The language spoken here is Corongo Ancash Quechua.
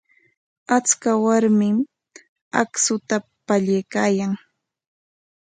Achka warmi akshuta pallaykaayan.